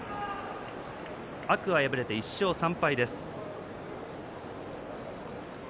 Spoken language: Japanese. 天空海、敗れて１勝３敗です。